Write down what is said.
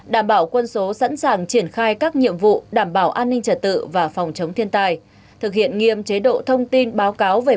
đảm bảo quân số sẵn sàng triển khai các nhiệm vụ đảm bảo an ninh trả tự và phòng chống thiên tai thực hiện nghiêm chế độ thông tin báo cáo về bộ theo quy định